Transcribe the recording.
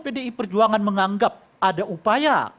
pdi perjuangan menganggap ada upaya